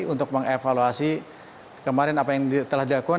untuk mengevaluasi kemarin apa yang telah dilakukan